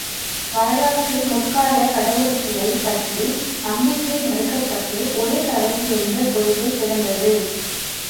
வரலாற்று முற்காலக் கடவுளர்களை ப் பற்றிய நம்பிக்கை மறுக்கப்பட்டு, ஒரே கடவுள் என்ற கொள்கை பிறந்தது.